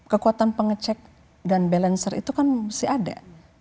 kekuatan pengecek dan balancer itu kan masih ada